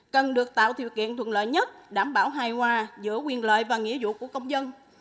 cần được tạo điều kiện thuận lợi nhất đảm bảo hài hòa giữa quyền lợi và nghĩa vụ của công dân